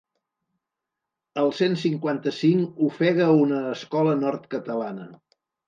El cent cinquanta-cinc ofega una escola nord-catalana.